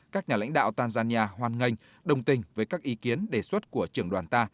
các nhà lãnh đạo tanzania hoan nghênh đồng tình với các ý kiến đề xuất của trưởng đoàn ta